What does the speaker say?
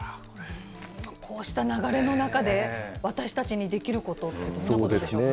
こうした流れの中で、私たちにできることって、どんなことでしょうか。